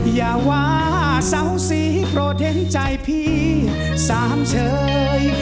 อย่าว่าเศร้าสีโปรเท็จใจพี่สามเชย